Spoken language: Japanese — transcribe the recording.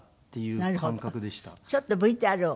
ちょっとＶＴＲを。